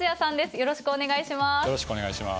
よろしくお願いします。